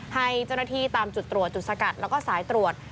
ให้เจ้าหน้าที่ตามจุดตรวจจุดสกัดแล้วก็สายตรวจ